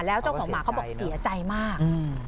แล้วเจ้าของหมาเขาบอกเสียใจมาก